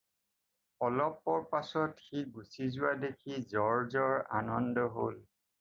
অলপ পৰ পাছত সি গুছি যোৱা দেখি জৰ্জৰ আনন্দ হ'ল।